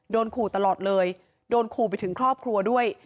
โดนขู่ตลอดเลยโดนขู่ไปถึงครอบครัวด้วย